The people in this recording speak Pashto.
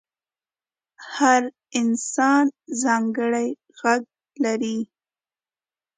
هر انسان ځانګړی غږ لري.